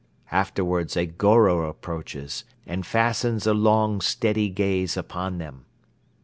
Afterwards a Goro approaches and fastens a long, steady gaze upon them.